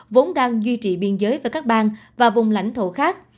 vốn đang duy trì biên giới với các bang và vùng lãnh thổ khác